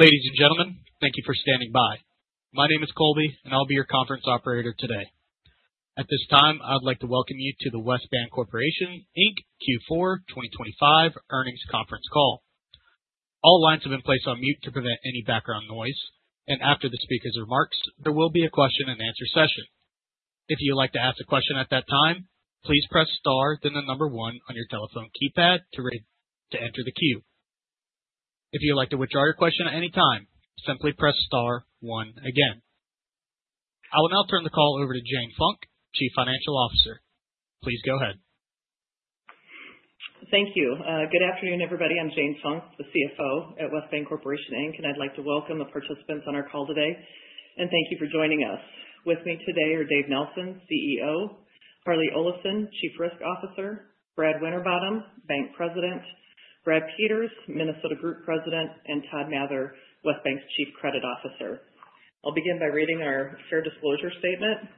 Ladies, and gentlemen, thank you for standing by. My name is Colby, and I'll be your conference Operator today. At this time, I'd like to welcome you to the West Bancorporation, Inc, Q4 2025 Earnings Conference Call. All lines have been placed on mute to prevent any background noise, and after the speaker's remarks, there will be a question-and-answer session. If you'd like to ask a question at that time, please press star, then the number one on your telephone keypad to enter the queue. If you'd like to withdraw your question at any time, simply press star, one, again. I will now turn the call over to Jane Funk, Chief Financial Officer. Please go ahead. Thank you. Good afternoon, everybody. I'm Jane Funk, the CFO at West Bancorporation, Inc, and I'd like to welcome the participants on our call today, and thank you for joining us. With me today are Dave Nelson, CEO, Harlee Olafson, Chief Risk Officer, Brad Winterbottom, Bank President, Brad Peters, Minnesota Group President, and Todd Mather, West Banc's Chief Credit Officer. I'll begin by reading our fair disclosure statement.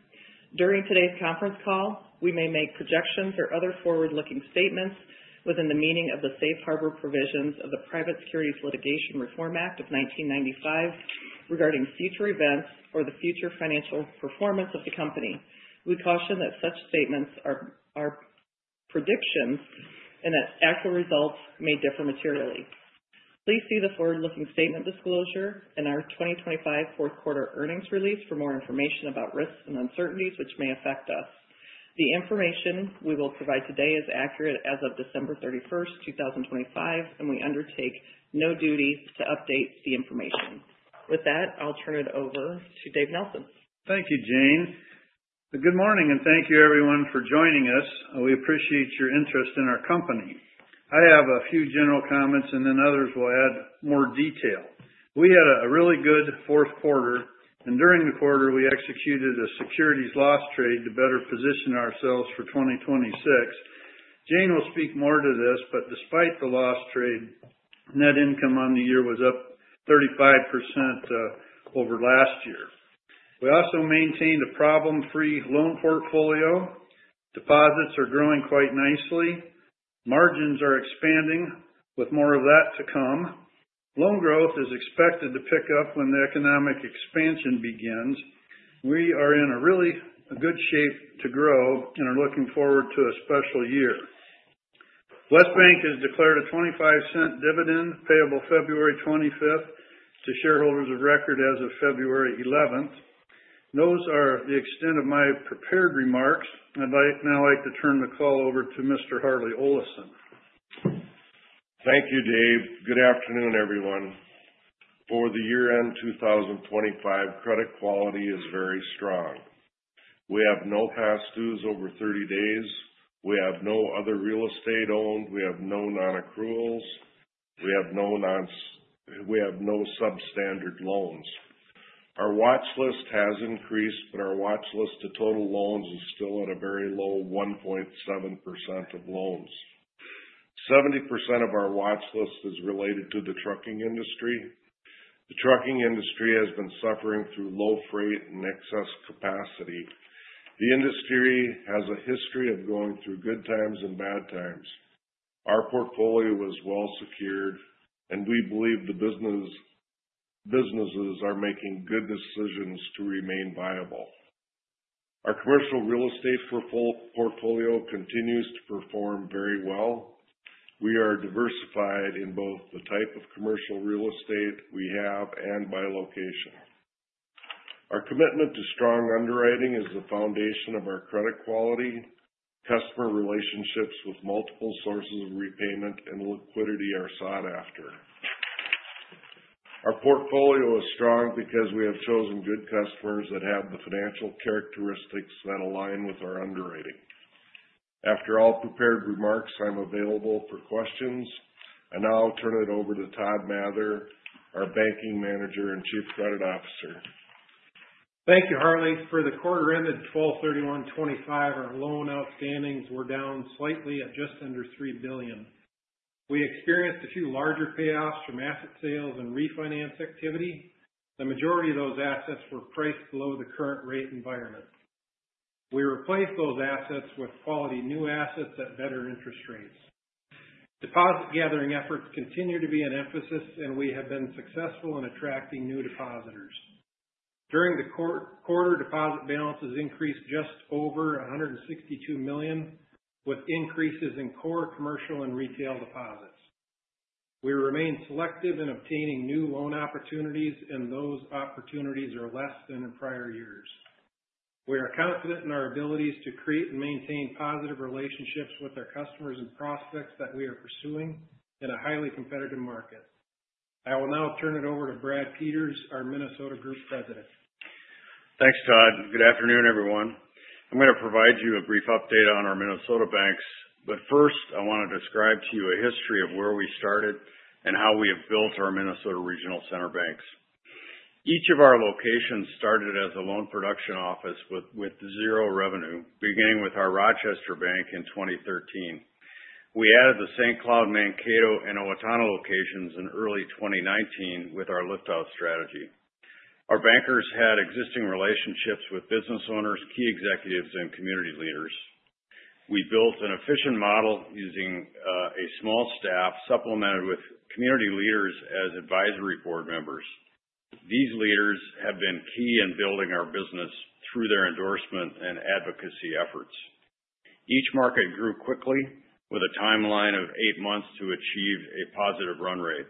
During today's conference call, we may make projections or other forward-looking statements within the meaning of the safe harbor provisions of the Private Securities Litigation Reform Act of 1995 regarding future events or the future financial performance of the company. We caution that such statements are predictions and that actual results may differ materially. Please see the forward-looking statement disclosure and our 2025 fourth quarter earnings release for more information about risks and uncertainties which may affect us. The information we will provide today is accurate as of December 31st, 2025, and we undertake no duty to update the information. With that, I'll turn it over to Dave Nelson. Thank you, Jane. Good morning, and thank you, everyone, for joining us. We appreciate your interest in our company. I have a few general comments, and then others will add more detail. We had a really good fourth quarter, and during the quarter, we executed a securities loss trade to better position ourselves for 2026. Jane will speak more to this, but despite the loss trade, net income on the year was up 35% over last year. We also maintained a problem-free loan portfolio. Deposits are growing quite nicely. Margins are expanding, with more of that to come. Loan growth is expected to pick up when the economic expansion begins. We are in a really good shape to grow and are looking forward to a special year. West Banc has declared a $0.25 dividend payable February 25th to shareholders of record as of February 11th. Those are the extent of my prepared remarks, and I'd now like to turn the call over to Mr. Harlee Olafson. Thank you, Dave. Good afternoon, everyone. For the year-end 2025, credit quality is very strong. We have no past dues over 30 days. We have no other real estate owned. We have no non-accruals. We have no substandard loans. Our watch list has increased, but our watch list to total loans is still at a very low 1.7% of loans. 70% of our watch list is related to the trucking industry. The trucking industry has been suffering through low freight and excess capacity. The industry has a history of going through good times and bad times. Our portfolio is well secured, and we believe the businesses are making good decisions to remain viable. Our commercial real estate portfolio continues to perform very well. We are diversified in both the type of commercial real estate we have and by location. Our commitment to strong underwriting is the foundation of our credit quality. Customer relationships with multiple sources of repayment and liquidity are sought after. Our portfolio is strong because we have chosen good customers that have the financial characteristics that align with our underwriting. After all prepared remarks, I'm available for questions. I now turn it over to Todd Mather, our Banking Manager and Chief Credit Officer. Thank you, Harlee. For the quarter-end at 12/31/2025, our loan outstandings were down slightly at just under $3 billion. We experienced a few larger payoffs from asset sales and refinance activity. The majority of those assets were priced below the current rate environment. We replaced those assets with quality new assets at better interest rates. Deposit gathering efforts continue to be an emphasis, and we have been successful in attracting new depositors. During the quarter, deposit balances increased just over $162 million, with increases in core, commercial, and retail deposits. We remain selective in obtaining new loan opportunities, and those opportunities are less than in prior years. We are confident in our abilities to create and maintain positive relationships with our customers and prospects that we are pursuing in a highly competitive market. I will now turn it over to Brad Peters, our Minnesota Group President. Thanks, Todd. Good afternoon, everyone. I'm going to provide you a brief update on our Minnesota banks, but first, I want to describe to you a history of where we started and how we have built our Minnesota regional center banks. Each of our locations started as a loan production office with zero revenue, beginning with our Rochester Bank in 2013. We added the St. Cloud, Mankato, and Owatonna locations in early 2019 with our liftoff strategy. Our bankers had existing relationships with business owners, key executives, and community leaders. We built an efficient model using a small staff supplemented with community leaders as advisory board members. These leaders have been key in building our business through their endorsement and advocacy efforts. Each market grew quickly, with a timeline of eight months to achieve a positive run rate.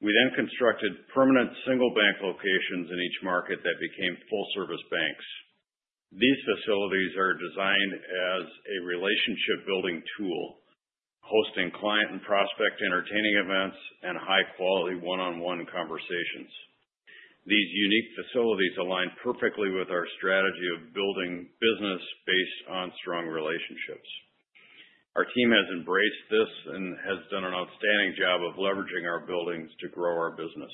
We then constructed permanent single bank locations in each market that became full-service banks. These facilities are designed as a relationship-building tool, hosting client and prospect entertaining events and high-quality one-on-one conversations. These unique facilities align perfectly with our strategy of building business based on strong relationships. Our team has embraced this and has done an outstanding job of leveraging our buildings to grow our business.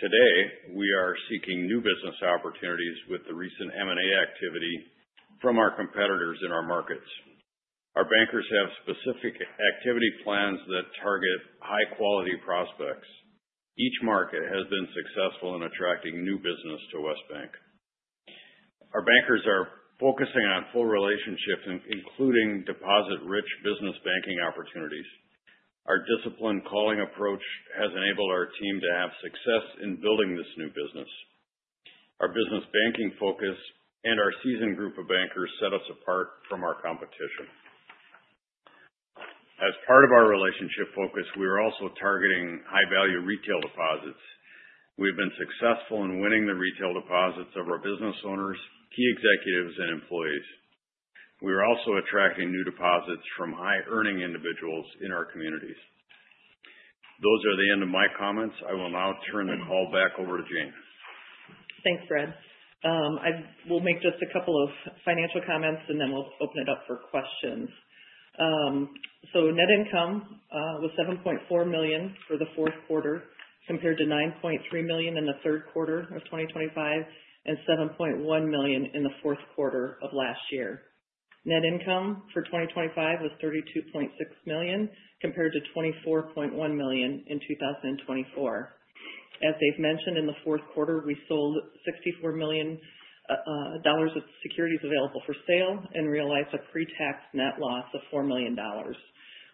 Today, we are seeking new business opportunities with the recent M&A activity from our competitors in our markets. Our bankers have specific activity plans that target high-quality prospects. Each market has been successful in attracting new business to West Bank. Our bankers are focusing on full relationships, including deposit-rich business banking opportunities. Our disciplined calling approach has enabled our team to have success in building this new business. Our business banking focus and our seasoned group of bankers set us apart from our competition. As part of our relationship focus, we are also targeting high-value retail deposits. We've been successful in winning the retail deposits of our business owners, key executives, and employees. We are also attracting new deposits from high-earning individuals in our communities. Those are the end of my comments. I will now turn the call back over to Jane. Thanks, Brad. I will make just a couple of financial comments, and then we'll open it up for questions. Net income was $7.4 million for the fourth quarter, compared to $9.3 million in the third quarter of 2025 and $7.1 million in the fourth quarter of last year. Net income for 2025 was $32.6 million, compared to $24.1 million in 2024. As Dave mentioned, in the fourth quarter, we sold $64 million of securities available for sale and realized a pre-tax net loss of $4 million.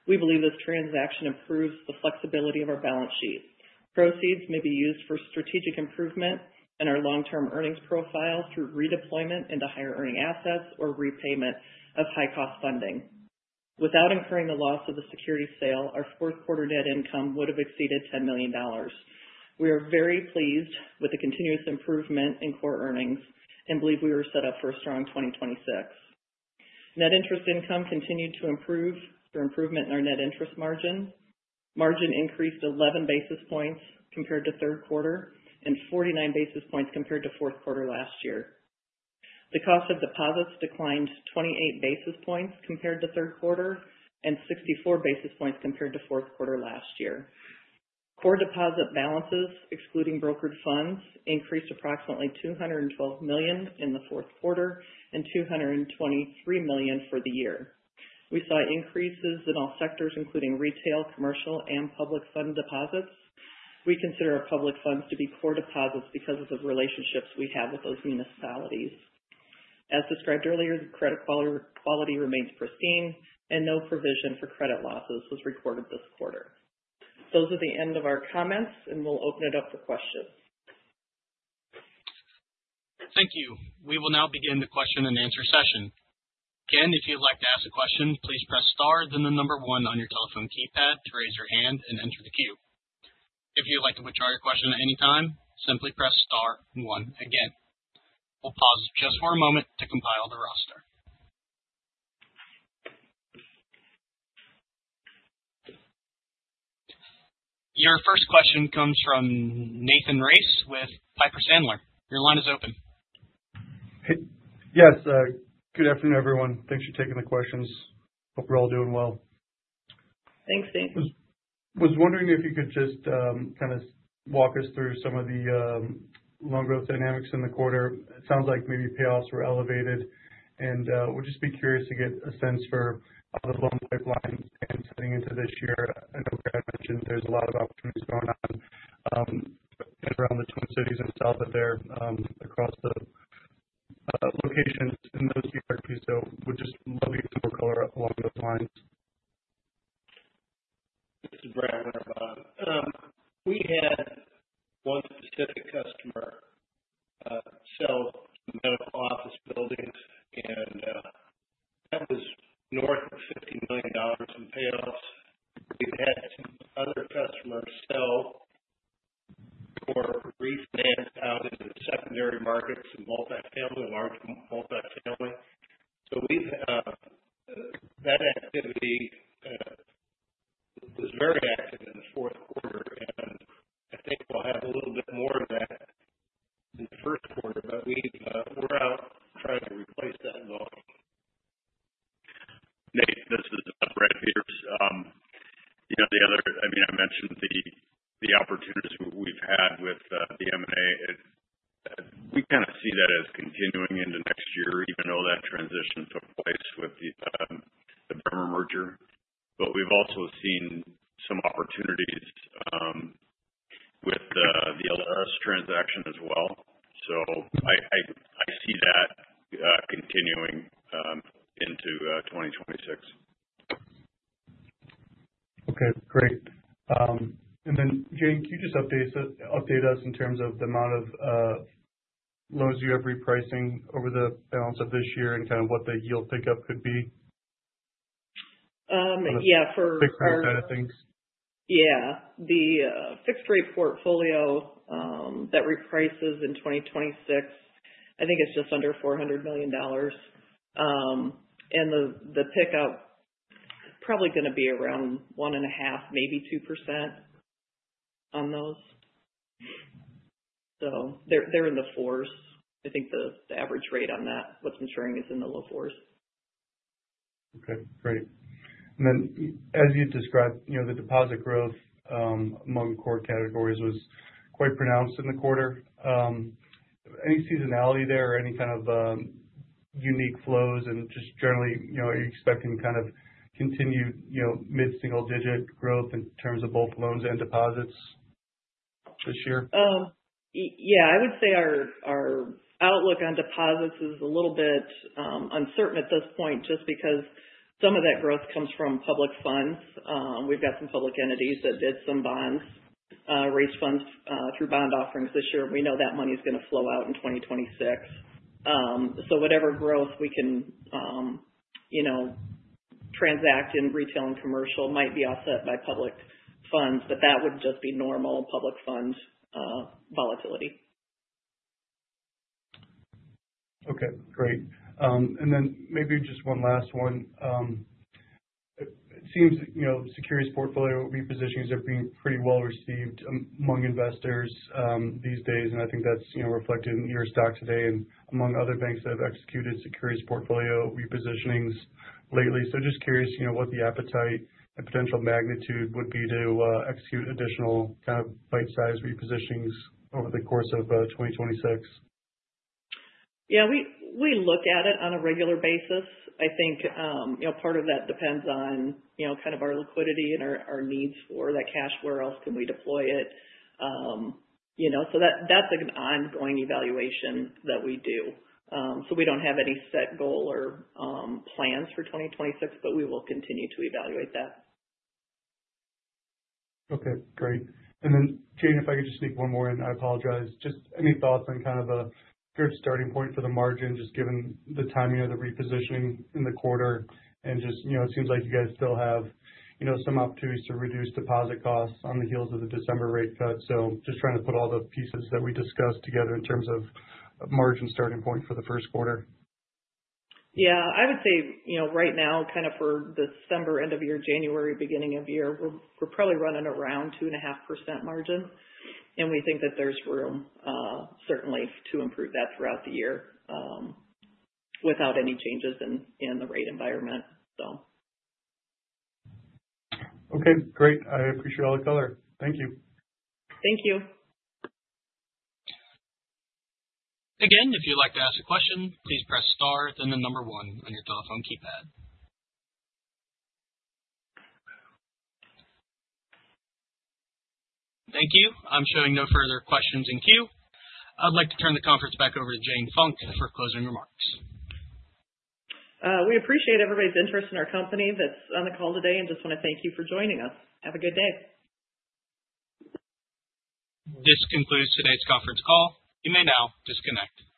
We believe this transaction improves the flexibility of our balance sheet. Proceeds may be used for strategic improvement in our long-term earnings profile through redeployment into higher-earning assets or repayment of high-cost funding. Without incurring the loss of the security sale, our fourth quarter net income would have exceeded $10 million. We are very pleased with the continuous improvement in core earnings and believe we were set up for a strong 2026. Net interest income continued to improve through improvement in our net interest margin. Margin increased 11 basis points compared to third quarter and 49 basis points compared to fourth quarter last year. The cost of deposits declined 28 basis points compared to third quarter and 64 basis points compared to fourth quarter last year. Core deposit balances, excluding brokered funds, increased approximately $212 million in the fourth quarter and $223 million for the year. We saw increases in all sectors, including retail, commercial, and public fund deposits. We consider our public funds to be core deposits because of the relationships we have with those municipalities. As described earlier, the credit quality remains pristine, and no provision for credit losses was recorded this quarter. That’s the end of our comments, and we’ll open it up for questions. Thank you. We will now begin the question-and-answer session. Again, if you'd like to ask a question, please press star, then the number one on your telephone keypad to raise your hand and enter the queue. If you'd like to withdraw your question at any time, simply press star and one again. We'll pause just for a moment to compile the roster. Your first question comes from Nathan Race with Piper Sandler. Your line is open. Yes. Good afternoon, everyone. Thanks for taking the questions. Hope we're all doing well. Thanks, Nathan. Was wondering if you could just kind of walk us through some of the loan growth dynamics in the quarter. It sounds like maybe payoffs were elevated, and would just be curious to get a sense for how the loan pipeline is heading into this year. I know Brad mentioned there's a lot of opportunities going on around the Twin Cities and south of there across the locations in those two areas, so would just love you to do a color up along those lines. This is Brad Winterbottom. We had one specific customer opportunities we've had with the M&A. We kind of see that as continuing into next year, even though that transition took place with the Bremer merger. But we've also seen some opportunities with the Alerus transaction as well. So I see that continuing into 2026. Okay. Great. And then, Jane, can you just update us in terms of the amount of loans you have repricing over the balance of this year and kind of what the yield pickup could be? Yeah. For. Fixed rate side of things? Yeah. The fixed rate portfolio that reprices in 2026, I think it's just under $400 million. The pickup is probably going to be around 1.5%-2% on those. So they're in the fours. I think the average rate on that, what's maturing, is in the low fours. Okay. Great. And then, as you described, the deposit growth among core categories was quite pronounced in the quarter. Any seasonality there or any kind of unique flows? And just generally, are you expecting kind of continued mid-single-digit growth in terms of both loans and deposits this year? Yeah. I would say our outlook on deposits is a little bit uncertain at this point just because some of that growth comes from public funds. We've got some public entities that did some bonds, raised funds through bond offerings this year, and we know that money is going to flow out in 2026. So whatever growth we can transact in retail and commercial might be offset by public funds, but that would just be normal public fund volatility. Okay. Great. And then maybe just one last one. It seems securities portfolio repositionings are being pretty well received among investors these days, and I think that's reflected in your stock today and among other banks that have executed securities portfolio repositionings lately. So just curious what the appetite and potential magnitude would be to execute additional kind of bite-sized repositionings over the course of 2026. Yeah. We look at it on a regular basis. I think part of that depends on kind of our liquidity and our needs for that cash. Where else can we deploy it? So that's an ongoing evaluation that we do. So we don't have any set goal or plans for 2026, but we will continue to evaluate that. Okay. Great. And then, Jane, if I could just sneak one more in, I apologize. Just any thoughts on kind of a good starting point for the margin, just given the timing of the repositioning in the quarter? And just it seems like you guys still have some opportunities to reduce deposit costs on the heels of the December rate cut. So just trying to put all the pieces that we discussed together in terms of margin starting point for the first quarter. Yeah. I would say right now, kind of for December, end of year, January, beginning of year, we're probably running around 2.5% margin, and we think that there's room certainly to improve that throughout the year without any changes in the rate environment, so. Okay. Great. I appreciate all the color. Thank you. Thank you. Again, if you'd like to ask a question, please press star, then the number one on your telephone keypad. Thank you. I'm showing no further questions in queue. I'd like to turn the conference back over to Jane Funk for closing remarks. We appreciate everybody's interest in our company that's on the call today and just want to thank you for joining us. Have a good day. This concludes today's conference call. You may now disconnect.